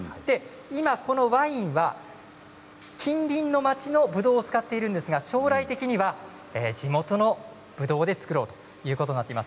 今、このワインは近隣の町のぶどうを使っているんですが、将来的には地元のぶどうで造ろうということになっています。